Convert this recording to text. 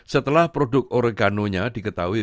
setelah produk oregano nya diketahui